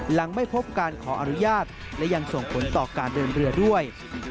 หลังไม่พบการขออนุญาตและยังส่งผลต่อการเดินเรือด้วย